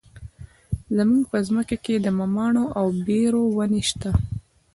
زموږ په ځمکه کې د مماڼو او بیرو ونې شته.